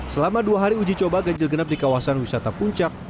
selama dua hari uji coba ganjil genap di kawasan wisata puncak